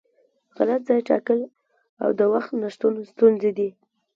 غلط ځای ټاکل او د وخت نشتون ستونزې دي.